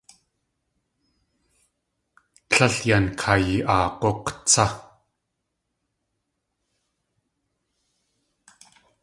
Líl yan kayi.aag̲úk̲ tsá!